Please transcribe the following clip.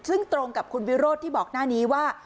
ซึ่งตรงกับคุณวิโรธที่บอกหน้านี้ว่า